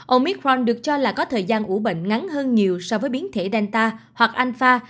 omicron được cho là có thời gian ủ bệnh ngắn hơn nhiều so với biến thể delta hoặc alpha